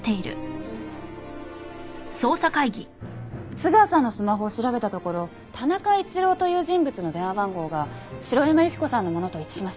津川さんのスマホを調べたところ田中一郎という人物の電話番号が城山由希子さんのものと一致しました。